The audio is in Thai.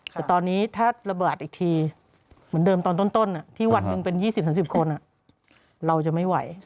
แต่ตอนนี้ถ้าระเบิดอีกทีเหมือนเดิมตอนต้นที่วันหนึ่งเป็น๒๐๓๐คนเราจะไม่ไหว